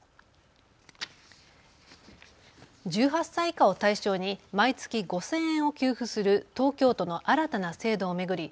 １８歳以下を対象に毎月５０００円を給付する東京都の新たな制度を巡り